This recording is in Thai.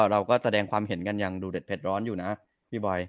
เราก็แสดงความเห็นกันยังดูเด็ดร้อนอยู่นะพี่บอย